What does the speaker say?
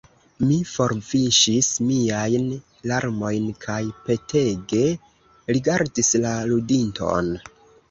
Mi forviŝis miajn larmojn kaj petege rigardis la ludinton.